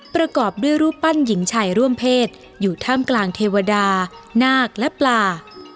ประกอบด้วยรูปปั้นหญิงชายร่วมเพศอยู่ท่ามกลางเทวดานาคและปลา